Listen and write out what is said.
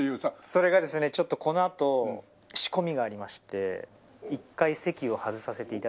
それがですねちょっとこのあと仕込みがありまして１回席を外させて頂きたい。